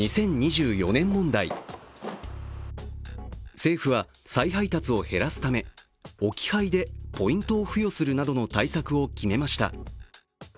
政府は、再配達を減らすため、置き配でポイントを付与するなどの対策を決めました。